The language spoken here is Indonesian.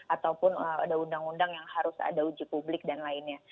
ataupun ada undang undang yang harus ada uji publik dan lainnya